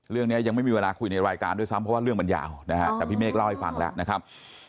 เรื่องนี้ยังไม่มีเวลาคุยในรายการด้วยซ้ำเพราะว่าเรื่องมันยาวนะฮะแต่พี่เมฆเล่าให้ฟังแล้วนะครับ